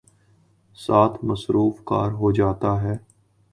ساتھ ''مصروف کار" ہو جاتا ہے۔